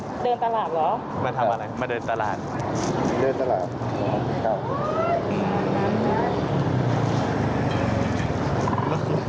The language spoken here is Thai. ต้องถามแม่ค่าจุดวัน